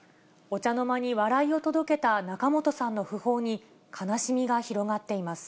お茶の間に笑いを届けた仲本さんの訃報に、悲しみが広がっています。